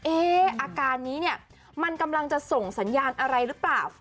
อาการนี้เนี่ยมันกำลังจะส่งสัญญาณอะไรหรือเปล่า